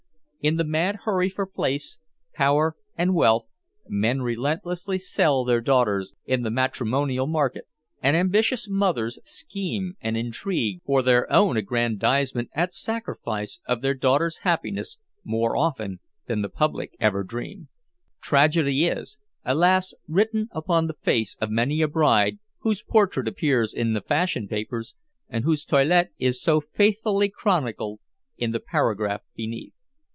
In the mad hurry for place, power, and wealth, men relentlessly sell their daughters in the matrimonial market, and ambitious mothers scheme and intrigue for their own aggrandizement at sacrifice of their daughter's happiness more often than the public ever dream. Tragedy is, alas! written upon the face of many a bride whose portrait appears in the fashion papers and whose toilette is so faithfully chronicled in the paragraph beneath.